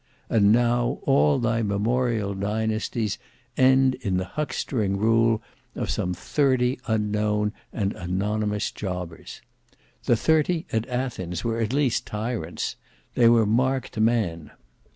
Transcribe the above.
And now all thy memorial dynasties end in the huckstering rule of some thirty unknown and anonymous jobbers! The Thirty at Athens were at least tyrants. They were marked men.